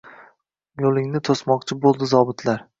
Yo’lingni to’smoqchi bo’ldi zobitlar